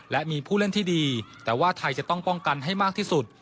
และมีผู้เล่นที่ดีแต่ว่าไทยจะต้องป้องกันให้มากที่สุด